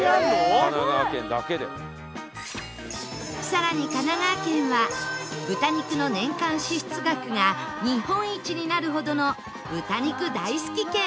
更に神奈川県は豚肉の年間支出額が日本一になるほどの豚肉大好き県